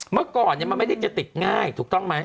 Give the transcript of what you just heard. เมื่อก่อนมันไม่ได้จะติดง่ายถูกต้องไหม